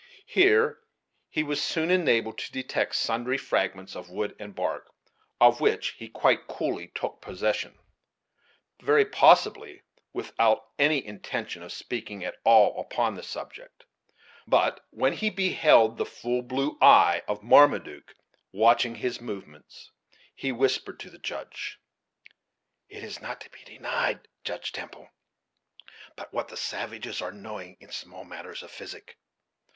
Here he was soon enabled to detect sundry fragments of wood and bark, of which he quite coolly took possession, very possibly without any intention of speaking at all upon the subject; but, when he beheld the full blue eye of Marmaduke watching his movements, he whispered to the Judge: "It is not to be denied, Judge Temple, but what the savages are knowing in small matters of physic.